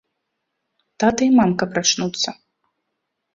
Тата і мамка прачнуцца.